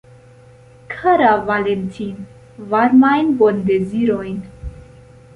Kara Valentin, varmajn bondezirojn.